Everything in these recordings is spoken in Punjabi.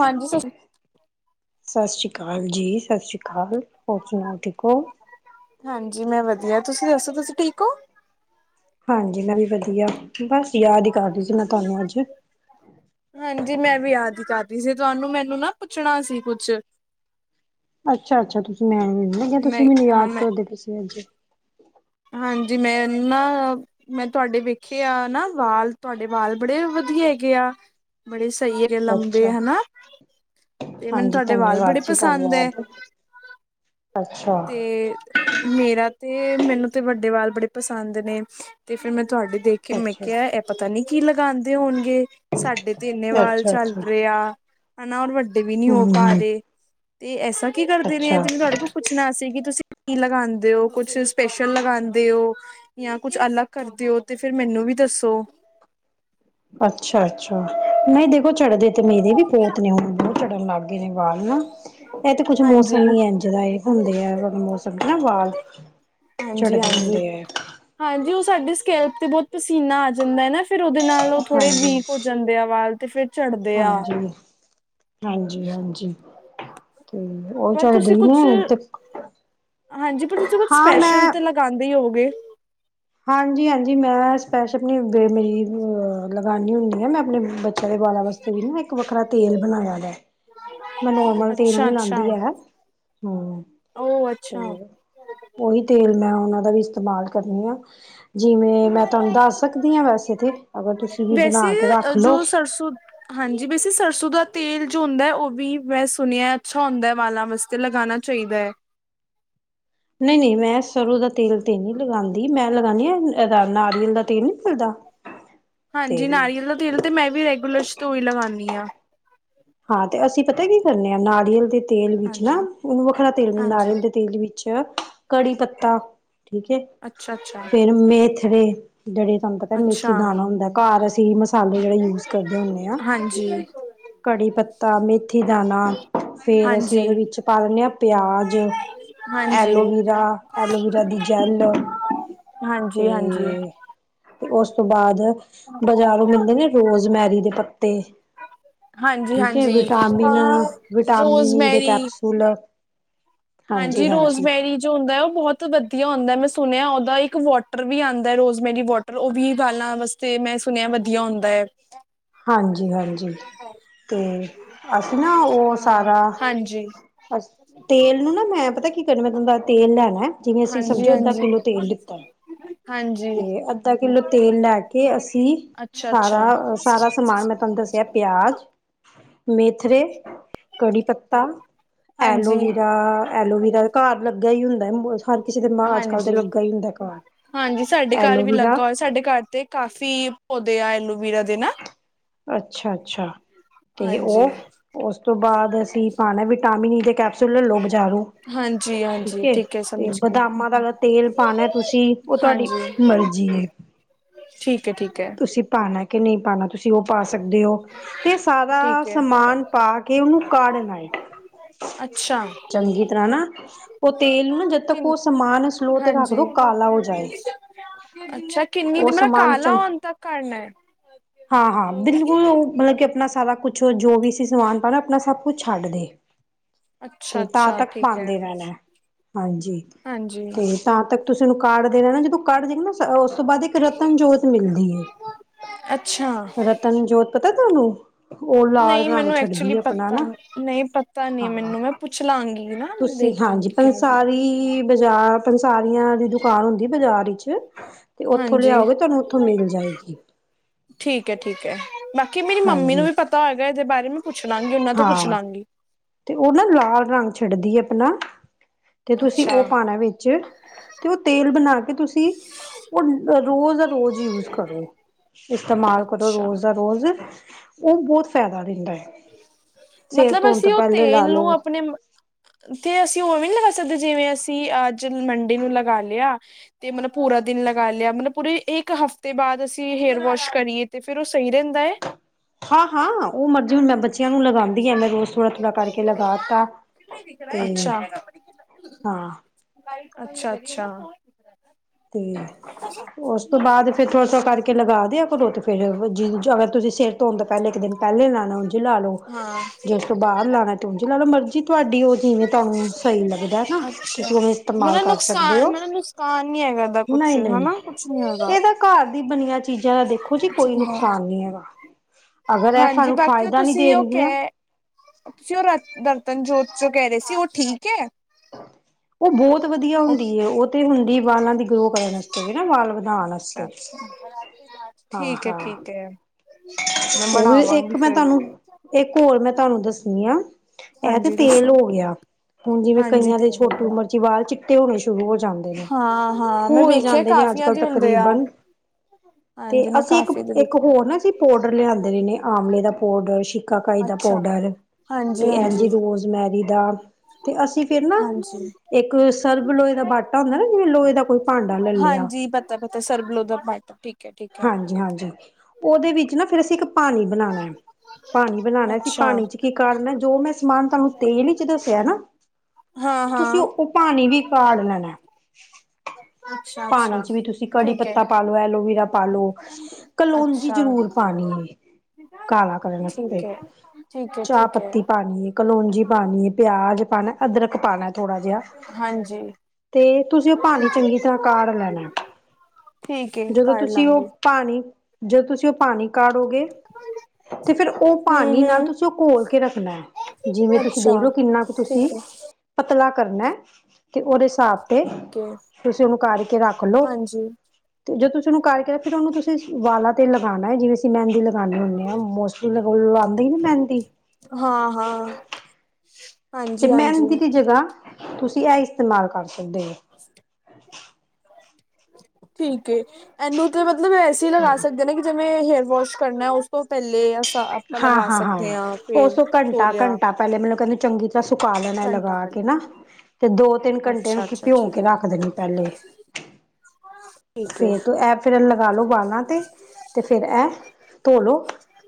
ਹਾਂਜੀ। ਸਤਿ ਸਤਿ ਸ਼੍ਰੀ ਅਕਾਲ ਜੀ, ਸਤਿ ਸ਼੍ਰੀ ਅਕਾਲ। ਹੋਰ ਸੁਣਾਓ ਠੀਕ ਹੋ। ਹਾਂਜੀ ਮੈਂ ਵਧੀਆ ਤੁਸੀਂ ਦੱਸੋ ਤੁਸੀਂ ਠੀਕ ਹੋ। ਹਾਂਜੀ ਮੈਂ ਵੀ ਵਧੀਆ। ਬਸ ਯਾਦ ਹੀ ਕਰਦੀ ਸੀ। ਮੈਂ ਤੁਹਾਨੂੰ ਅੱਜ ਹਾਂਜੀ ਮੈਂ ਵੀ ਯਾਦ ਹੀ ਕਰ ਸੀ ਤੁਹਾਨੂੰ ਮੈਨੂੰ ਨਾ ਪੁੱਛਣਾ ਸੀ। ਕੁਛ ਅੱਛਾ ਅੱਛਾ ਤੁਸੀਂ ਮੈਂ ਵੀ ਮੈਂ ਤੁਸੀਂ ਮੈਨੂੰ ਹਾਂ ਯਾਦ ਮੈਂ ਕਰਦੇ ਪੇ ਸੀਅੱਜ [unintelligible] ਹਾਂਜੀ ।ਮੈਂ ਨਾ ਮੈਂ ਤੁਹਾਡੇ ਵੇਖੇ ਆ ਨਾ ਵਾਲ ਤੁਹਾਡੇ ਵਾਲ ਬੜੇ ਵਧੀਆ ਹੈਗੇ ਆ ।ਬੜੇ ਸਹੀ ਹੈ ਲੰਬੇ ਅੱਛਾ, ਹਨਾ ਤੇ ਮੈਨੂੰ ਹਾਂਜੀ ਤੁਹਾਡੇ ਵਾਲ ਧੰਨਵਾਦ ਬੜੇ ਜੀ ਪਸੰਦ ਹੈ। ਧੰਨਵਾਦ, ਅੱਛਾ। ਤੇ ਮੇਰਾ। ਤੇ ਮੈਨੂੰ ਤੇ ਵੱਡੇ ਵਾਲ ਬੜੇ ਪਸੰਦ ਨੇ ਤੇ ਫਿਰ ਮੈਂ ਤੁਹਾਡੇ ਦੇਖ ਕੇ ਮੈਂ ਅੱਛਾ, ਕਿਹਾ ਇਹ ਪਤਾ ਨੀ ਕੀ ਲਗਾਉ ਲਗਦੈ ਹੋਣਗੇ। ਸਾਡੇ ਤਿੰਨੇ ਵ ਚੱਲ ਅੱਛਾ-ਅੱਛਾ, ਰਿ ਆ ਹ ਨਾਰ ਵਡਡੀ ਡੇ ਵੀ ਨਹੀਂੀ ਹੋ ਹੂੰ ਪਾ ਰਹੇ। ਅਤੇ ਐਸਾ ਕੀ ਕਰਦੇ ਨੇ ਅੱਛਾ। ਇਹੀ ਤੁਹਾਡੇ ਕੋਲ ਪੁੱਛਣਾ ਸੀ ਕਿ ਤੁਸੀਂ ਕੀ ਲਗਾਉਦੇ ਹੋ ਕੁਛ ਸਪੈਸ਼ਲ ਲਗਾਉਦੇ ਹੋ ਜਾਂ ਕੁਛ ਅਲੱਗ ਕਰਦੇ ਹੋ। ਤੇ ਫਿਰ ਮੈਨੂੰ ਵੀ ਦੱਸੋ। ਅੱਛਾ ਅੱਛਾ। ਨਹੀਂ ਦੇਖੋ ਚੜਦੇ ਤੇ ਮੇਰੇ ਵੀ ਪੋਤ ਨੇ ਹੁਣ ਬਹੁ ਚੜ੍ਹਨ ਲੱਗ ਗਏ ਨੇ ਵਾਲ ਨਾ। ਇਹ ਤੇ ਕੁੱਛ ਹਾਂਜੀ ਮੌਸਮ ਹੀ ਇੰ ਜਦਾ ਇਹ ਹੁੰਦੇ ਆ। ਮੌਸਮ ਨਾ ਬਆ ਹਾਂਜੀ, ਹਾਂਜੀ ਹਾਂਜੀ ਉਹ ਸਾਡੇ ਸਕੇਲ ਤੇ ਬਹੁਤ ਪਸੀਨਾ ਆ ਜਾਂਦਾ ਹੈ ਨਾ ਫੇਿਰ ਉਹਦੇ ਨਾਲ ਉਹ ਥੋੜੇ ਵੀਕ ਹੋ ਜਾਂਦੇ ਆ ਵਾਜ਼। ਤੇ ਫੇਿਰ। ਹਾਂਜੀ। ਹਾਂਜੀ ਹਾਂਜੀ। ਪਰ ਤੁਸੀਂ ਕੁਛ ਤੇ ਹਾਂਜੀ ਪਰ ਤੁਸੀਂ ਕੁਛ ਹਾਂ ਸਪੈਸ਼ਲ ਤੇ ਲਗਾਉਂਦੇ ਹੀ ਹੋਗੇ। ਹਾਂਜੀ, ਹਾਂਜੀ। ਮੈਂ ਸਪੈ ਆਪਣੀੇ ਮੇਰੀ ਲਗਾਉੀ ਹੁੰਦੀ ਆ ਮੈਂ ਆਪਣੇ ਬੱਚੇ ਵਾਲਾਂ ਵਾਸਤੇ ਵੀ ਨਾ ਇੱਕ ਵੱਖਰਾ ਤੇਲ ਬਣਾਇਆ ਹੈ ਮੈਂ ਨੋਰਮਲ ਤੇਲ ਅੱਛਾ ਨੀ ਅੱਛਾ ਲਾਂਦੀ ਹੈ ਉਹ ਅੱਛਾ ਤੇ ਉਹੀ ਤੇਲ ਮੈਂ ਉਹਨਾਂ ਦਾ ਵੀ ਇਸਤੇਮਾਲ ਕਰੀ ਹਾਂ। ਜਿਵੇਂ ਮੈਂ ਤੁਹਾਨੂੰ ਦੱਸ ਸਕਦੀ ਹਾਂ ਵੈਸੇ ਤੇ ਅਗਰ ਤੁਸੀਂ ਵੀ ਬਣਾ ਵੈਸੇ ਕੇ ਅ, ਰੱਖ ਲਓ। ਜੋ ਸਰਸੋਂ ਹਾਂਜੀ ਵੈਸੇ ਸਰਸੋਂ ਦਾ ਤੇਲ ਜੋ ਹੁੰਦਾ ਹੈ ।ਉਹ ਵੀ ਮੈਂ ਸੁਣਿਆ ਅੱਛਾ ਹੁੰਦਾ ਵਾਲਾਂ ਵਾਸਤੇ ਲਗਾਉਣਾ ਚਾਹੀਦਾ ਹੈ। ਨਹੀਂ ਨਹੀਂ ਮੈਂ ਸਰ੍ਹੋਂ ਦਾ ਤੇਲ ਤੇ ਨਹੀ ਲਗਾਉਂਦੀ ਮੈਂ ਲਗਾਉਂਦੀ ਹਾਂ ਇਹਦਾ ਨਾਰੀਅਲ ਦਾ ਤੇਲ ਨਹੀ ਮਿਲਦਾ। ਹਾਂਜੀ। ਤੇ ਨਾਰੀਅਲ ਦਾ ਤੇਲ ਤੇ ਮੈਂ ਵੀ ਰੈਗੂਲਰ ਤੋਂ ਹੀ ਲਗਾਉਂਦੀ ਹਾਂ। ਹਾਂ ਤੇ ਅਸੀਂ ਪਤਾ ਕੀ ਕਰਨੇ ਆਾਂ ਨਾਰੀਅਲ ਦੀ ਤੇਲ ਵਿੱਚ ਨਾ ਹਾਂਜੀ ਉਹਨੂੰ ਵੱਖਰਾ ਤੇਲ ਮ ਹਾਂਜੀ ਨਾਰੀਅਲ ਦੇ ਤੇਲ ਵਿੱਚ ਕੜੀ ਪੱਤਾ ਠੀਕ ਹੈ ਅੱਛਾ ਅੱਛਾ ਫੇਰ ਮੇਥਰੇ ਜਿਹੜੇ ਤੁਹਾਨੂੰ ਪਤਾ ਮੇਥੀ ਅੱਛਾ ਦਾਣਾ ਹੁੰਦਾ ਘਰ ਅਸੀਂ ਮਸਾਲੇ ਜਿਹੜੇ ਯੂਜ ਕਰਦੇ ਹੁੰਨੇ ਹਾਂ ਹਾਂਜੀ ਕੜੀ ਪੱਤਾ ਮੇਥੀ ਦਾਣਾ ਫੇਰ ਅਸੀਂ ਹਾਂਜੀ ਉਹਦੇ ਵਿੱਚ ਪਾ ਲੈਂਦੇ ਹਾਂ ਪਿਆਜ਼ ਹਾਂਜੀ ਐਲੋਵੀਰਾ ਐਲੋਵੀਰਾ ਦੀ ਜੈੱਲ ਹਾਂਜੀ ਹਾਂਜੀ ਤੇ ਹਾਂਜੀ ਤੇ ਉਸ ਤੋਂ ਬਾਅਦ ਬਾਜ਼ਾਰੋਂ ਮਿਲਦੇ ਨੇ ਰੋਜ਼ਮੈਰੀ ਦੇ ਪੱਤੇ ਠੀਕ ਹਾਂਜੀ ਹਾਂ ਵਿਟਾਮਿਨ-ਵਿਟਾਮਿਨ ਈ ਦੇ ਰੋਜ਼ਮੈਰੀ ਕੈਪਸੂਲ ਹਾਂਜੀ ਰੋਜ਼ਮੈਰੀ ਜੋ ਹੁੰਦਾ ਹੈ ਉਹ ਬਹੁਤ ਵਧੀਆ ਹੁੰਦਾ ਮੈਂ ਸੁਣਿਆ ਉਹਦਾ ਇੱਕ ਇੱਕ ਵਾਟਰ ਵੀ ਆਉਂਦਾ ਹੈ ਰੋਜ਼ਮੇਰੀ ਵਾਟਰ ਉਹ ਵੀ ਵਾਲਾਂ ਵਾਸਤੇ ਮੈਂ ਸੁਣਿਆ ਵਧੀਆ ਹੁੰਦਾ ਹੈ ਹਾਂਜੀ-ਹਾਂਜੀ ਤੇ ਅਸੀਂ ਨਾ ਉਹ ਹਾਂ ਸਾਰਾ ਹਾਂਜੀ ਅ ਤੇਲ ਨੂੰ ਨਾ ਮੈਂ ਪਤਾ ਕੀ ਕਰੀ ਮੈ ਦਸ ਦੀਆ ਤੇਲ ਲੈਣੈ ਜਿਵੇ ਅਸੀਂ ਹਾਂਜੀ ਸਮਝੋ ਅੱਧਾ ਹਾਂਜੀ ਕਿੱਲੋ ਤੇਲ ਲਿੱਤਾ ਹਾਂਜੀ ਤੇ ਅੱਧਾ ਕਿੱਲੋ ਤੇਲ ਲੈ ਕੇ ਅਸੀਂ ਅੱਛਾ ਅੱਛਾ ਸਾਰਾ ਸਾਰਾ ਸਮਾਨ ਮੈਂ ਤੁਹਾਨੂੰ ਦੱਸਿਆ ਪਿਆਜ ਮੇਥਰੇ ਕੜੀ ਪਤਾ ਹਾਂਜੀ ਐਲੋਵੀਰਾ-ਐਲੋਵੀਰਾ ਘਰ ਲੱਗਾ ਹੀ ਹੁੰਦਾ ਮੋਸਲੀ ਹਾਂਜੀ-ਹਾਂਜੀ ਸਾਡੇ ਘਰ ਵੀ ਐਲੋਵੀਰਾ ਲੱਗਾ ਹੋਰ ਸਾਡੇ ਘਰ ਤੇ ਕਾਫੀ ਪੋਦੇ ਤੇ ਆ ਔਲੋਵੀਰਾ ਦੇ ਨਾ ਅੱਛਾ-ਅੱਛਾ ਤੇ ਹਾਂਜੀ, ਉਹ ਉਸ ਤੋਂ ਬਾਅਦ ਅਸੀਂ ਪਾਣਾ ਵਿਟਾਮਿਨ ਈ ਦੇ ਕੈਪਸੂਲ ਲੋ ਬਾਜ਼ਾਰੋਂ ਹਾਂਜੀ, ਠੀਕ ਹਾਂਜੀ ਏ ਹੈ ਤੇ ਸਮਝ ਗਈ। ਬਦਾਮਾਂ ਦਾ ਤੇਲ ਪਾਣਾ ਤੁਸੀਂ ਉਹ ਤੁਹਾਡੀ ਹਾਂਜੀ, ਮਰਜ਼ੀ ਏ, ਠੀਕ ਹੈ, ਠੀਕ ਹੈ, ਤੁਸੀਂ ਪਾਣਾ ਨਹੀਂ ਪਾਉਣਾ ਤੁਸੀਂ ਸੀ ਉਹ ਪਾਸ ਦੇਹੋ ਤੇ ਸਾਰਾ ਠੀਕ ਹੈ, ਸਮਾਨ ਪਾ ਕੇ ਉਹਨੂੰ ਕਾੜਨਾ ਅੱਛਾ। ਚੰਗੀ ਤਰ੍ਹਾਂ ਨਾ ਉਹ ਤੇਲ ਨੂੰ ਨਾ ਜਦ ਤੱਕ ਕਿਨ ਉਹ ਸਮਾਨ ਸਲੋਅ ਤੇ ਰੱਖ ਹਾਂਜੀ। ਦੋ ਕਾਲਾ ਹੋ ਜਾਏ ਅੱਛਾ ਕਿੰਨੀ ਉਹ ਦੀ ਮਤਲਬ ਸਮਾਨ ਕਾਲਾ ਚੰਗੀ ਹੋਣ ਤੱਕ ਕਰਨਾ ਹੈ। ਹਾਂ-ਹਾਂ ਬਿਲਕੁਲ ਉਹ ਮਤਲਬ ਕਿ ਆਪਣਾ ਸ ਸਾਰਾ ਕੁਛ ਜੋ ਵੀ ਸੀਂ ਸਮਾਨ ਪਾਣਾ ਆਪਣਾ ਸਭ ਕੁਛ ਛੱਡ ਦੇ ਅੱਛਾ, ਤੇ ਤਾਂ ਅੱਛਾ ਤੱਕ ਠੀਕ ਹੈ, ਪਾਉਦੇ ਰਹਿਣਾ ਹਾਂਜੀ ਹਾਂਜੀ, ਤੇ ਤਾਂ ਤੱਕ ਤੁਸੀਂ ਉਹਨੂੰ ਕਾਰਡ ਦੇਣਾ ਨਾ ਜਦੋਂ ਕਾਰਡ ਦੇਖਗੇ ਨਾ ਤੋਂ ਬਾਅਦ ਇੱਕ ਰਤਨ ਜੋਤ ਮਿਲਦੀ ਹੈ ਅੱਛਾ। ਰਤਨ ਜੋਤ ਪਤਾ ਤੁਹਾਨੂੰ ਉਹ ਲਾਲ ਨਹੀਂ ਰੰਗ ਮੈਨੂੰ ਛੱਡਦੀ ਐਕਚੁਲੀ ਹੇ ਆਪਣਾ ਪਤਾ ਨਾ, ਨਹੀਂ ਪਤਾ ਨਹੀਂ ਹਾਂ ਮੈਨੂੰ ਮੈਂ ਪੁੱਛ ਲਾਂਗੀ ਨਾ ਤੁਸੀਂ ਦੇਖ ਹਾਂਜੀ ਲਾਂਗੀ ਕਿਵੇਂ ਪੰਸਾਰੀ ਬਾਜ਼ਾਰ ਪੰਸਾਰੀਆਂ ਦੀ ਦੁਕਾਨ ਹੁੰਦੀ ਬਾਜ਼ਾਰ ਵਿੱਚ, [inaudible] ਤੇ ਉੱਥੋਂ ਹਾਂਜੀ। ਲਿਆਓਗੇ ਤੁਹਾਨੂੰ ਉੱਥੋਂ ਮਿਲ ਜਾਏਗੀ। ਠੀਕੇ ਠੀਕ ਹੈ। ਬਾਕੀ ਮੇਰੀ ਮੰਮੀ ਨੂੰ ਹਾਂਜੀ ਵੀ ਪਤਾ ਹੋਏਗਾ ਇਹਦੇ ਬਾਰੇ । ਹਾਂ ਤੇ ਉਹ ਨਾ ਲਾਲ ਰੰਗ ਛੱਡਦੀ ਹੈ ਆਪਣਾ। ਤੇ ਤੁਸੀਂ ਅੱਛਾ ਉਹ ਪਾਉਣਾ ਵਿੱਚ ਤੇ ਉਹ ਤੇਲ ਬਣਾ ਕੇ ਤੁਸੀਂ ਉਹ ਰੋਜ਼ ਦਾ ਰੋਜ਼ ਯੂਜ ਕਰੋ, ਇਸਤੇਮਾਲ ਕਰੋ ਅੱਛਾ ਰੋਜ਼ ਦਾ ਰੋਜ਼ । ਉਹ ਬਹੁਤ ਫਾਇਦਾ ਦਿੰਦਾ ਹੈ। ਸਿਰ ਮਤਲਬ ਧੋਣ ਅਸੀਂ ਤੋਂ ਉਹ ਪਹਿਲੇ ਲਾ ਤੇਲ ਨੂੰ ਲੋ। ਆਪਣੇ ਤੇ ਅਸੀਂ ਉਹ ਵੀ ਲਗਾ । ਜਿਵੇਂ ਅਸੀਂ ਅੱਜ ਮੰਡੇ ਨੂੰ ਲਗਾ ਲਿਆ ਤੇ ਮਤਲਬ ਪੂਰਾ ਦਿਨ ਲਗਾ ਲਿਆ । ਮਤਲਬ ਪੂਰੇ ਇੱਕ ਹਫ਼ਤੇ ਬਾਅਦ ਅਸੀਂ ਹੇਅਰ ਵਾਸ਼ ਕਰੀਏ ਤੇ ਫਿਰ ਉਹ ਸਹੀ ਰਹਿੰਦਾ ਹੈ। ਹਾਂ ਹਾਂ ਉਹ ਮਰ ਹੁਣ ਮੈਂ ਬੱਚਿਆਂ ਨੂੰ ਲਗਾਉਂਦੀ ਹਾਂ ਮੈਂ ਰੋਜ਼ ਥੋੜਾ ਥੋੜ੍ਹਾ ਕਰਕੇ ਲਗਾਤਾ ਤੇ ਅੱਛਾ ਹਾਂ। ਅੱਛਾ ਅੱਛਾ । ਤੇ ਉਸ ਤੋਂ ਬਾਅਦ ਫੇਰ ਥੋੜਾ ਥੋ ਕਰਕੇ ਲਗਾ [inaudible] ਧੌਣ ਤੋ ਪਹਿਲੇ ਇੱਕ ਦਿਨ ਪਹਿਲੇ ਲਾਣਾ ਉਂਝੀ ਲਾ ਲਓ ਹਾਂ ਜੇ ਉਸ ਤੋਂ ਬਾਅਦ ਲਾਣਾ ਤੇ ਉਂਝੀ ਲਾ ਲਓ ਮਰਜ਼ੀ ਤੁਹਾਡੀ ਉਹ ਜਿਵੇਂ ਤੁਹਾਨੂੰ ਸਹੀ ਲੱਗਦਾ ਹੈ ਨਾ ਅੱਛਾ ਤੁਸੀਂ ਉਵੇਂ ਇਸਤੇਮਾਲ ਮਤਲਬ ਕਰ ਸਕਦੇ ਨੁਕਸਾਨ ਹੋ। ਮਤਲਬ ਨੁਕਸਾਨ ਨੀ ਹੈਗਾ ਇਹਦਾ ਕੁਛ ਨਹੀਂ ਨਹੀਂ ਹਨਾ ਕੁਛ ਨੀ ਹੈਗਾ ਇਹ ਤਾਂ ਘਰ ਦੀ ਬਣੀਆਂ। ਚੀਜ਼ਾਂ ਦਾ ਦੇਖੋ ਜੀ ਕੋਈ ਨੁਕਸਾਨ ਨੀ ਹੈਗਾ। ਅਗਰ ਇਹ ਹਾਂਜੀ ਸਾਨੂੰ ਬਾਕੀ ਉਹ ਫਾਇਦਾ ਨਹੀਂ ਤੁਸੀਂ ਉਹ ਦੇਣਗੀਆਂ ਕਹਿ ਤੁਸੀਂ ਉਹ ਰਤ ਬਰਤਨ ਜੋਤ । ਜੋ ਕਹਿ ਰਹੇ ਸੀ ਉਹ ਠੀਕ ਹੈ। ਉਹ ਬਹੁਤ ਵਧੀਆ ਹੁੰਦੀ ਹੈ ਉਹ ਤੇ ਹੁੰਦਾ । ਵਧਾਉਣ ਅੱਛਾ ਵਾਸਤੇ ਅੱਛਾ ਹਾਂ ਠੀਕ ਹੈ ਹਾਂ ਠੀਕ ਹੈ । ਉਹ ਵੀ ਇੱਕ ਮੈਂ ਤੁਹਾਨੂੰ ਇੱਕ ਹੋਰ ਮੈਂ ਤੁਹਾਨੂੰ ਦੱਸ । [inaudible] ਇਹ ਤੇ ਹਾਂਜੀ ਤੇਲ ਦੱਸੋ ਹੋ ਗਿਆ ਹੁਣ ਜਿਵੇਂ ਹਾਂਜੀ ਕਈਆਂ ਦੇ ਤੇਲ ਛੋਟੀ ਦਾ ਉਮਰ ਚ ਵਾਲ ਚਿੱਟੇ ਹੋਣੇ ਸ਼ੁਰੂ ਹੋ ਜਾਂਦੇ ਨੇ। ਹਾਂ ਹਾਂ ਹੋ ਮੈਂ ਹੀ ਵੇਖਿਆ ਜਾਂਦੇ ਨੇ ਅੱਜ ਕਾਫੀਆਂ ਕੱਲ੍ਹ ਦੇ ਹੁੰਦੇ ਆ ਤਕਰੀਬਨ । ਤੇ ਹਾਂਜੀ ਮੈਂ ਅਸੀਂ ਇੱਕ ਕਾਫੀ ਦੇ ਇੱਕ ਵੇਖਿਆ ਹੋਰ ਨਾ ਜੀ । ਪੋਡਰ ਲਿਆਂਂਦੇ ਰਹੇ ਨੇ ਆਵਲੇ ਦਾ । ਪੋਡਰ ਸ਼ਿ । ਸਿਕਾਕਾਈ ਦਾ ਅੱਛਾ ਪਾਊਡਰ ਹਾਂਜੀ ਤੇ ਐੰਜੀ ਹਾਂਜੀ ਰੋਜ਼ਮੈਰੀ ਦਾ ਤੇ ਅਸੀਂ ਫੇਰ ਨਾ ਹਾਂਜੀ ਇੱਕ ਸਰਬ ਲੋਹੇ ਦਾ ਬਾਟਾ ਹੁੰਦਾ ਨਾ ਜਿਵੇਂ ਲੋਹੇ ਦਾ ਕੋਈ ਭਾਂਡਾ ਲੈ ਲਿਆ। ਹਾਂਜੀ ਦਾ ਪਾਟ ਠੀਕ ਹੈ ਠੀਕ ਹੈ। ਹਾਂਜੀ ਹਾਂਜੀ ਉਹਦੇ ਵਿੱਚ ਨਾ ਫਿਰ ਅਸੀਂ ਇੱਕ ਪਾਣੀ ਬਣਾਉਣਾ ਹੈ। ਪਾਣੀ । ਬਣਾਣਾ ਸੀ ਅੱਛਾ। ਪਾਣੀ ਚ ਕੀ ਕਾੜਨਾ ਹੈ ਜੋ ਮੈਂ ਸਮਾਨ ਤੁਹਾਨੂੰ ਤੇਲ ਵਿਚ ਦੱਸਿਆ ਨਾ ਹਾਂ ਤੁਸੀਂ ਹਾਂ। ਉਹ ਪਾਣੀ ਵੀ ਕਾੜ ਲੈਣਾ । ਅੱਛਾ ਪਾਣੀ ਅੱਛਾ ਚ ਵੀ ਤੁਸੀਂ ਕੜੀ ਠੀਕ ਹੈ। ਪੱਤਾ ਪਾ ਲੋਓ ਐਲੋਵਰਾ ਪਾਲੋ ਕਲੋਂਜੀ ਅੱਛਾ। ਜਰੂਰ ਪਾਣੀ ਹੈ ਕਾਲਾ ਕਰਨ ਵਾਸਤੇ ਠੀਕ ਹੈ ਠੀਕ ਹੈ ਚਾਹ ਠੀਕ ਹੈ ਪੱਤੀ ਪਾਣੀ ਹੈ ਕਲੋਂਜੀ ਪਾਣੀ ਹੈ ਪਿਆਜ ਪਾਣਾ ਅਦੱਰਕ ਪਾਉਣਾ ਥੋੜਾ ਜਿਹਾ ਹਾਂਜੀ ਤੇ ਤੁਸੀਂ ਉਹ ਪਾਣੀ ਚੰਗੀ ਤਰ੍ਹਾਂ ਕਾਢ ਲੈਣਾ ਠੀਕ ਹੈ ਜਦੋਂ ਕਰ ਤੁਸੀਂ ਉਹ ਲਾਂਗੇ ਪਾਣੀ ਜਦੋਂ ਤੁਸੀਂ ਉਹ ਪਾਣੀ ਕੜੋਗੇ ਤੇ ਫੇਿਰ ਉਹ ਹੂੰ ਪਾਣੀ ਨਾਲ ਹੂੰ ਤੁਸੀਂ ਉਹ ਘੋਲ ਕੇ ਰੱਖਣਾ ਹੈ ਜਿਵੇਂ ਤੁਸੀਂ ਅੱਛਾ ਦੇਖਲਓ ਕਿੰਨਾ ਕੁ ਤੁਸੀਂ ਠੀਕ ਹੈ ਪਤਲਾ ਕਰਨਾ ਤੇ ਉਹਦੇ ਹਿਸਾਬ ਨਾਲ ਤੇ ਠੀਕ ਹੈ ਤੁਸੀਂ ਉਹਨੂੰ ਕਢ ਕੇ ਰੱਖ ਲਓ ਹਾਂਜੀ ਜਦੋਂ ਤੁਸੀੂੰ ਕਰਕੇ ਫਿਰ ਉਹਨੂੰ ਤੁਸੀਂ ਵਾਲਾ ਤੇ ਲਗਾਉਣਾ ਜਿਵੇਂ ਅਸੀਂ ਮਹਿੰਦੀ ਲਗਾਉਂਦੇ ਹੁੰਦੇ ਹਾਂ ਮੌੋਸ ਲਗਾਉਂਦੇ ਹੀ ਨਾ ਮਹਿੰਦੀ ਹਾਂ ਹਾਂ ਤੇ ਹਾਂਜੀ ਹਾਂਜੀ ਮਹਿੰਦੀ ਦੀ ਜਗ੍ਹਾ ਤੁਸੀਂ ਇਹ ਇਸਤੇਮਾਲ ਕਰ ਸਕਦੇ ਹੋ ਠੀਕ ਇਹਨੂੰ ਤੇ ਮਤਲਬ ਐਸੀੇ ਹਾਂ। ਲਗਾ ਸਕਦੇ ਨੇ ਕਿ ਜਿਵੇਂ ਮੈਂ ਹੇਅਰ ਵਾਸ਼ ਕਰਨਾ ਉਸ ਤੋਂ ਪਹਿਲੇ ਆਪਾਂ ਹਾਂ ਲਗਾ ਹਾਂ ਸਕਦੇ ਹਾਂ ਉਸ ਫੇਰ ਤੋਂ ਧੋ ਘੰਟਾ ਲਿਆ ਘੰਟਾ ਪਹਿਲੇ ਮੇਨੂੰ ਕਹਿੰਦੇ ਚੰਗੀ ਸੁਕਾ ਲੈਣਾ ਘੰਟਾ ਲਗਾ ਕੇ ਪਹਿਲੇ ਨਾ ਤੇ ਦੋ ਤਿੰਨ ਘੰਟੇ ਨੂੰ ਅੱਛਾ ਕਿ ਅੱਛਾ ਭਿਉ ਕੇ ਠੀਕ ਰੱਖ ਦੇਣੀ ਪਹਿਲੇ ਹਾਂ ਫੇਰ ਇਹ ਫੇਿਰ ਲਗਾ ਲੋ ਬਾਲਾਂ ਤੇ ਤੇ ਫਿਰ ਇਹ ਧੋਲੋ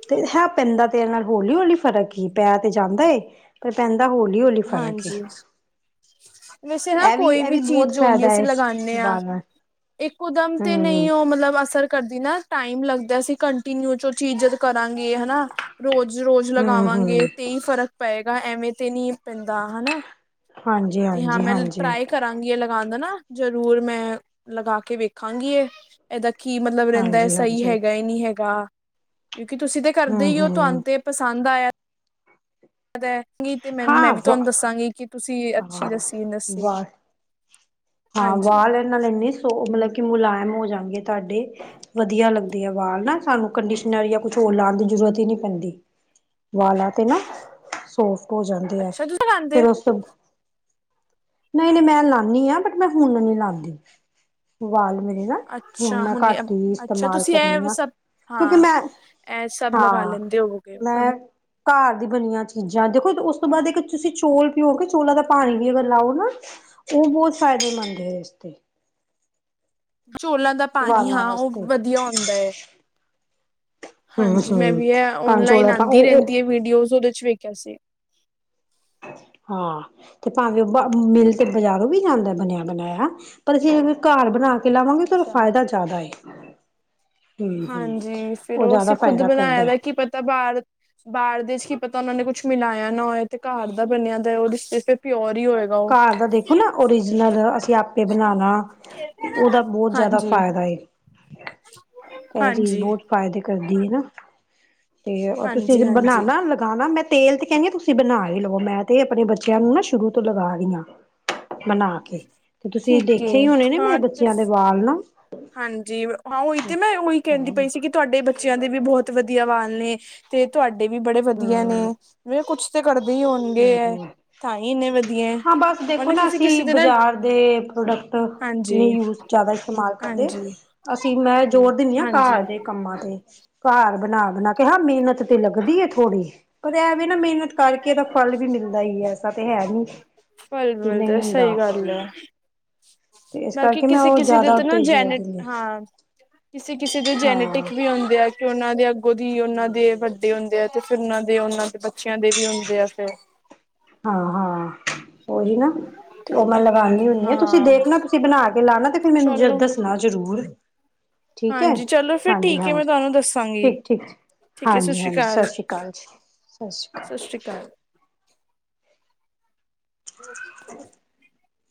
ਤੇ ਹੈ ਪੈਂਦਾ ਤੇਰੇ ਨਾਲ ਹੌਲੀ ਹੌਲੀ ਫਰਕ ਹੀ ਪੈ ਤੇ ਜਾਂਦਾ ਏ ਪਰ ਪੈਂਦਾ ਹੌਲੀ ਹੌਲੀ ਫ਼ਰਕ ਏ ਹਾਂਜੀ ਵੈਸੇ ਨਾ ਇਹ ਕੋਈ ਇਹ ਵੀ ਬਹੁਤ ਚੀਜ਼ ਜੋ ਹੁੰਦੀ ਫ਼ਾਇਦਾ ਅਸੀਂ ਏ ਲਗਾਉਂਦੇ ਹਾਂ ਵਾਲਾਂ ਇੱਕ ਇਕਦਮ ਹੂੰ ਤੇ ਨਹੀਂ ਉਹ ਹੂੰ ਮਤਲਬ ਅਸਰ ਕਰਦੀ ਨਾ ਟਾਈਮ ਲੱਗਦਾ ਸੀ ਕੰਟੀਨਿਊ ਚ ਉਹ ਚ ਇੱਜ਼ਤ ਕਰਾਂ ਹਨਾ ਰੋਜ਼ ਰੋਜ਼ ਹੂੰ ਲਗਾਵਾਂਗੇ ਤੇਈ ਫਰਕ ਪਏਗਾ ਐਵੇਂ ਤੇ ਨਹੀਂੀ ਪੈਂਦਾ ਹਨਾ ਹਾਂਜੀ ਤੇ ਹਾਂ ਹਾਂਜੀ ਮੈਂ ਹਾਂਜੀ ਟਰਾਈ ਕਰਾਂਗੀ ਇਹ ਲਗਾਉਣ ਦਾ ਨਾ ਜ਼ਰੂਰ ਮੈਂ ਲਗਾ ਕੇ ਵੇਖਾਂਗੀ ਇਹ ਇਹਦਾ ਕੀ ਮਤਲਬ ਰਹਿੰਦਾ ਹੈਏ ਹਾਂਜੀ ਸਹੀ ਹਾਂਜੀ ਹੈਗਾ ਨਹੀਂ ਹੈਗਾ [unintelligible] ਜਾਂ ਕਿਉਂਕਿ ਤੁਸੀਂ ਤੇ ਕਰਦੇ ਹੂੰ ਹੀ ਹੋ ਤੁਹਾਨੂੰ ਹੂੰ ਤੇ ਪਸੰਦ ਹੁੰਦਾ ਏ [unintelligible] ਹਾਂ ਵਾ ਤੁਹਾਨੂੰ ਦੱਸਾਂਗੀ ਕਿ ਤੁਸੀਂ ਅੱਛੀ ਹਾਂ ਦੱਸੀ ਦੱਸੀ ਵਾਲ ਹਾਂ ਹਾਂਜੀ ਵਾਲ ਇਹ ਨਾਲ ਇੰਨੀ ਸੋਫ ਮਤਲਬ ਕਿ ਮੁਲਾਇਮ ਹੋ ਜਾਂਣਗੇ ਤੁਹਾਡੇ ਵਧੀਆ ਲੱਗਦੇ ਆ ਵਾਲ ਨਾ ਸਾਨੂੰ ਕੰਡੀਸ਼ਨਰ ਜਾਂ ਕੁਛ ਹੋਰ ਲਾਉਣ ਦੀ ਜ਼ਰੂਰਤ ਹੀ ਨਹੀਂ ਪੈਂਦੀ ਵਾਲਾ ਤੇ ਨਾ ਸੋਫਟ ਹੋ ਜਾਂਦੇ ਹੈ ਅੱਛਾ ਤੁਸੀਂ ਲਗਾਉਂਦੇ ਫੇਰ ਉਸ ਨਹੀਂ ਨਹੀਂ ਮੈਂ ਲਾਣੀ ਹਾਂ ਬਟ ਮੈਂ ਹੁਣ ਨਹੀਂ ਲਾਂਦੀ ਵਾਲ ਮੇਰੇ ਨਾ ਅੱਛਾ ਮੈਂ ਹੁਣ ਘੱਟ ਹੀ ਅੱਛਾ ਇਸਤੇਮਾਲ ਤੁਸੀਂ ਕਰਨੀ ਇਹ ਆ ਸਭ ਕਿਉਂਕਿ ਹਾਂ ਮੈਂ ਇਹ ਸਭ ਲਗਾ ਹਾਂ ਲੈਂਦੇ ਹੋਵੋਗੇ ਮੈਂ ਘਰ ਦੀ ਬਣੀਆਂ ਚ ਚੀਜ਼ਾਂ ਦੇਖੋ ਉਸ ਤੋਂ ਬਾਅਦ ਇੱਕ ਤੁਸੀਂ ਚੋਲ ਪਿਓ ਕਿ ਚੋਲਾਂ ਦਾ ਪਾਣੀ ਵੀ ਅਗਰ ਲਾਓ ਨਾ ਉਹ ਬਹੁਤ ਫਾਇਦੇਮੰਦ ਹੈ ਇਸ ਤੇ ਚੋਲਾਂ ਦਾ ਪਾਣੀ ਵਾਲਾਂ ਹਾਂ ਉਹ ਵਾਸਤੇ ਵਧੀਆ ਹੁੰਦਾ ਏ ਹਮ ਹਾਂਜੀ ਮੈਂ ਹਮ ਵੀ ਆ ਭਾਵੇਂ ਓਨਲਾਈਨ ਚੌਲਾਂ ਆਉਂਦੀ ਉਹ ਰਹਿੰਦੀ ਆ ਵੀਡੀਓਜ਼ ਉਹਦੇ ਵੇਖਿਆ ਸੀ ਹਾਂ ਤੇ ਭਾਵੇਂ ਉਹ ਬਾ ਮਿਲ ਤੇ ਬਾਜ਼ਾਰੋਂ ਵੀ ਜਾਂਦਾ ਬਣਿਆ ਬਣਾਇਆ ਪਰ ਅਸੀਂ ਫਿਰ ਘਰ ਬਣਾ ਕੇ ਕੇ ਲਾਵਾਂਗੇ ਤਾਂ ਉਦਾ ਅੱਛਾ ਫਾਇਦਾ ਜ਼ਿਆਦਾ ਏ ਹਾਂਜੀ ਫਿਰ ਉਹ ਜ਼ਿਆਦਾ ਅਸੀਂ ਖੁਦ ਫਾਇਦਾ ਕਰਦਾ ਬਣਾਇਆ ਹੈ। ਦਾ ਕੀ ਪਤਾ ਬਾਹਰ ਬਾਹਰ ਦੇ ਚ ਕੀ ਪਤਾ ਉਹਨਾਂ ਨੇ ਕੁਛ ਮਿਲਾਇਆ ਨਾ ਹੋਇਆ ਤੇ ਘਰ ਦਾ ਬਣਿਆ ਦਾ ਉਹ [unintelligible] ਪਿਓਰ ਹੀ ਹੋਏਗਾ ਉਹ ਘਰ ਦਾ ਦੇਖੋ ਨਾ ਓਰੀਜਨਲ ਅਸੀਂ ਆਪੇ ਬਣਾਉਣਾ ਤੇ ਉਹਦਾ ਬਹੁਤ ਜ਼ਿਆਦਾ ਹਾਂਜੀ ਫਾਇਦਾ ਏ [inaudible] ਇਹ ਚੀਜ਼ ਹਾਂਜੀ ਬਹੁਤ ਫਾਇਦੇ ਕਰਦੀ ਹੈ ਨਾ ਤੇ ਤੁਸੀਂ ਹਾਂਜੀ ਹਜੇ ਹਾਂਜੀ ਬਣਾਣਾ ਲਗਾਣਾ ਮੈਂ ਤੇਲ ਤੇ ਕਹਿੰਦੀ ਆ ਤੁਸੀਂ ਬਣਾ ਹੀ ਲਓ ਮੈਂ ਤੇ ਆਪਣੇ ਬੱਚਿਆਂ ਨੂੰ ਨਾ ਸ਼ੁਰੂ ਤੋਂ ਲਗਾ ਰਹੀ ਆ ਬਣਾ ਕੇ ਤੇ ਤੁਸੀਂ ਠੀਕ ਦੇਖੇ ਹੀ ਏ ਹੋਣੇ ਨੇ ਮੇਰੇ ਹਾਂ ਤੇ ਬੱਚਿਆਂ ਦੇ ਵਾਲ ਨਾ ਹਾਂਜੀ ਹਾਂ ਉਹੀ ਤੇ ਮੈਂ ਕਹਿੰਦੀ ਹਮ ਪਈ ਸੀ ਕਿ ਤੁਹਾਡੇ ਬੱਚਿਆਂ ਦੇ ਵੀ ਬਹੁਤ ਵਧੀਆ ਵਾਲ ਨੇ ਤੇ ਤੁਹਾਡੇ ਵੀ ਬੜੇ ਵਧੀਆ ਨੇ ਹਮ ਮੈਂ ਕੁੱਛ ਇੰਨੇ ਵਧੀਆ ਹੈ ਹਾਂ ਬਸ ਉਹ ਦੇਖੋ ਨਾ ਕਿਸੇ ਕਿਸੇ ਅਸੀਂ ਦੇ ਨਾ ਬਜ਼ਾਰ ਦੇ ਪ੍ਰੋਡਕਟ ਹਾਂਜੀ ਨੀ ਯੂਜ ਜ਼ਿਆਦਾ ਇਸਤੇਮਾਲ ਕਰਦੇ ਹਾਂਜੀ ਅਸੀਂ ਮੈਂ ਦੇਨੀ ਆ ਹਾਂਜੀ ਘਰ ਦੇ ਕੰਮਾਂ ਤੇ ਘਰ ਬਣਾ- ਬਣਾ ਕੇ, ਹਾਂ ਮਿਹਨਤ ਤੇ ਲੱਗਦੀ ਏ ਥੋੜ੍ਹੀ। ਪਰ ਐਵੇਂ ਨਾ ਮਿਹਨਤ ਕਰਕੇ ਤਾਂ ਫਲ ਵੀ ਮਿਲਦਾ ਹੀ, ਐਸਾ ਤੇ ਹੈ ਨੀ ਕਿ ਬਿਲਕੁਲ ਨਹੀਂ ਤਾਂ ਹੁੰਦਾ। ਸਹੀ ਗੱਲ ਹੈ ਇਸ ਬਾਕੀ ਕਰਕੇ ਮੈਂ ਕਿਸੇ- ਉਹ ਕਿਸੇ ਦੇ ਜ਼ਿਆਦਾ ਤਾਂ ਨਾ ਉੱਤੇ ਜ਼ੋਰ ਜੈਨੇ, ਦਿੰਦੀ ਹਾਂ ਕਿਸੇ- ਕਿਸੇ ਦੇ ਹਾਂ ਜੈਨੇਟਿਕ ਵੀ ਹੁੰਦੇ ਆ। ਉਹਨਾ ਦੇ ਅੱਗੇ ਦੀ ਉਹਨਾਂ ਦੇ ਵੱਡੇ ਹੁੰਦੇ ਆ। ਤੇ ਫਿਰ ਉਹਨਾਂ ਦੇ ਉਹਨਾਂ ਦੇ ਬ ਬੱਚਿਆਂ ਦੇ ਵੀ ਹੁੰਦੇ ਆ ਫਿਰ। ਹਾਂ-ਹਾਂ। ਉਹੀ ਨਾ, ਤੇ ਉਹ ਮੈਂ ਲਗਾਨੀ ਹੁਨੀ ਆਂ, ਤੁਸੀਂ ਹਾਂ ਦੇਖਣਾ ਤੁਸੀਂ ਬਣਾ ਕੇ ਲਾਣਾ ਤੇ ਫਿਰ ਮੈਨੂੰ ਚਲੋ ਦੱਸਣਾ ਜ਼ਰੂਰ ਠੀਕ ਹੈ, ਹਾਂਜੀ ਚਲੋ ਫਿਰ ਹਾਂਜੀ- ਠੀਕ ਹੈ ਮੈਂ ਹਾਂਜੀ, ਤੁਹਾਨੂੰ ਦੱਸਾਂਗੀ ਠੀਕ- ਠੀਕ, ਠੀਕ ਹੈ ਹਾਂਜੀ- ਸ਼੍ਰੀ ਹਾਂਜੀ ਸਤਿ ਸ੍ਰੀ ਅਕਾਲ ਜੀ, ਸਤ ਸ਼੍ਰੀ ਅਕਾਲ। [unintelligible]